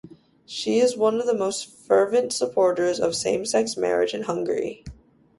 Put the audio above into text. She is one of the most fervent supporters of same-sex marriage in Hungary.